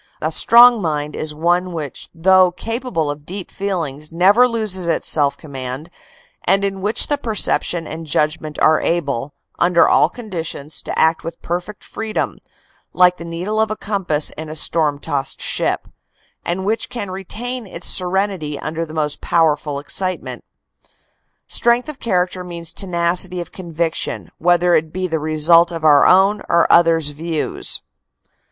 A strong mind is one which though capable of deep feelings never loses its self command and in which the perception and judgment are able, under all conditions, to act with perfect freedom, like the needle of a compass in a storm tossed ship, and which can retain its serenity under the most powerful excitement. Strength of character means tenacity of convic tion, whether it be the result of our own or others views."